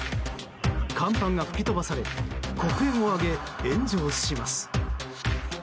甲板が吹き飛ばされ黒煙を上げ炎上します。